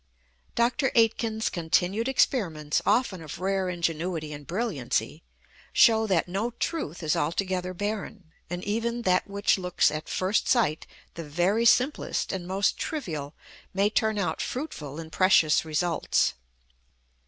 Dr. Aitken's continued experiments, often of rare ingenuity and brilliancy, show that no truth is altogether barren; and even that which looks at first sight the very simplest and most trivial may turn out fruitful in precious results.